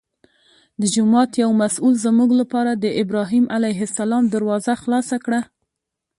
د جومات یو مسوول زموږ لپاره د ابراهیم علیه السلام دروازه خلاصه کړه.